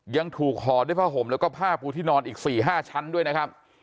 ยังถูกห่อด้วยผ้าห่มแล้วก็ผ้าปูที่นอนอีก๔๕ชั้นด้วยนะครับ